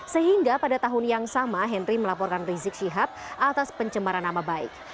sehingga pada tahun yang sama henry melaporkan rizik syihab atas pencemaran nama baik